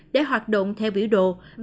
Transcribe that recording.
để hoạt động theo biểu đồ